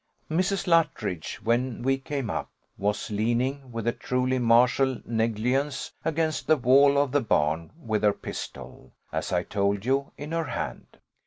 Mrs. Luttridge, when we came up, was leaning, with a truly martial negligence, against the wall of the barn, with her pistol, as I told you, in her hand.